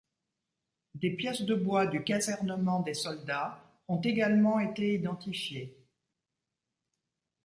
Des pièces de bois du casernement des soldats ont également été identifiées.